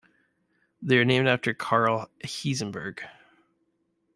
They are named after Karl Hessenberg.